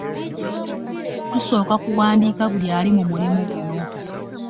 Tusooka kuwandiika buli ali mu mulimu guno.